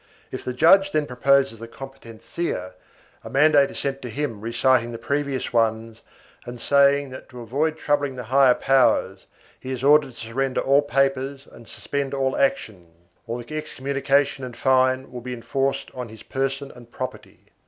If the judge then proposes a competencia, a mandate is sent to him reciting the previous ones and saying that, to avoid troubling the higher powers, he is ordered to surrender all papers and suspend all action, or the excommunication and fine will be enforced on his person and property.